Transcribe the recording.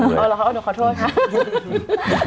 เอาละอ้าวหนูขอโทษค่ะ